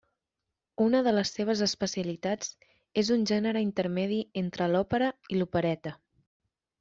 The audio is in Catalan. Una de les seves especialitats és un gènere intermedi entre l'òpera i l'opereta.